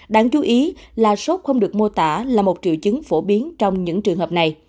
đáng chú ý là sốt không được mô tả là một triệu chứng phổ biến trong những trường hợp này